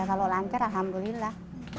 kalau lancar alhamdulillah